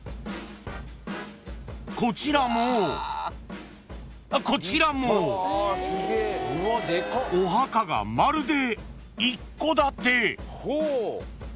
［こちらもこちらもお墓がまるで一戸建て］